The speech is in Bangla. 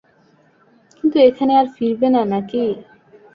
কিন্তু এখানে আর ফিরবে না নাকি?